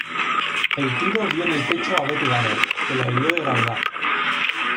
El tiro dio en el pecho a Betty Banner, que la hirió de gravedad.